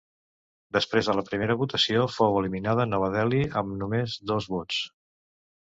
Després de la primera votació fou eliminada Nova Delhi, amb només dos vots.